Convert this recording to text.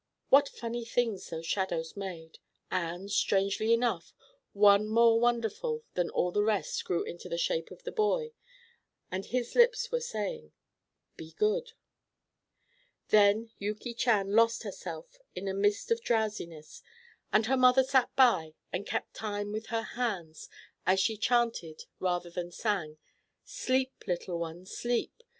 What funny things those shadows made, and, strangely enough, one more wonderful than all the rest grew into the shape of the boy, and his lips were saying, "Be good." Then Yuki Chan lost herself in a mist of drowsiness, and her mother sat by, and kept time with her hand as she chanted rather than sang: "Sleep, little one, sleep.